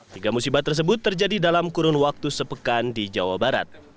tiga musibah tersebut terjadi dalam kurun waktu sepekan di jawa barat